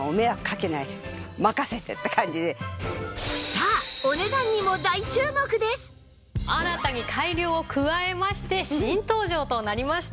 さあ新たに改良を加えまして新登場となりました。